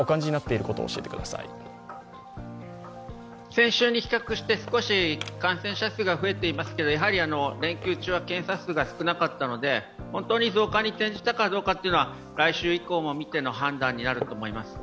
先週に比較して少し感染者数が増えていますけれども連休中は検査数が少なかったので、本当に増加に転じたかどうかは、来週以降も見ての判断になると思います。